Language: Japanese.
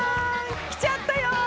来ちゃったよ！